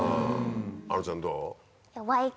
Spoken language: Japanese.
あのちゃんどう？